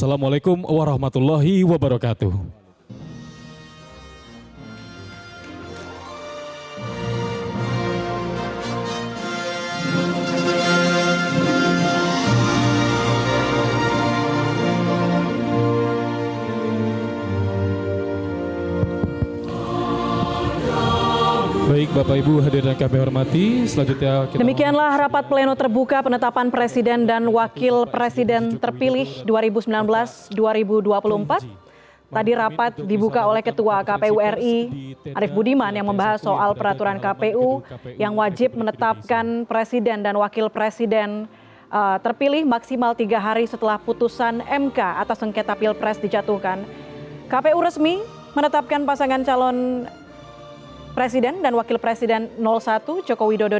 assalamu'alaikum warahmatullahi wabarakatuh